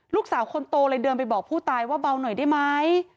ลูกสาวคนโตเลยเดินไปบอกผู้ตายว่าเบาหน่อยได้ไหม